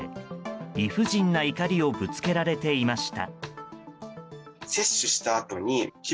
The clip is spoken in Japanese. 理不尽な怒りをぶつけられていました。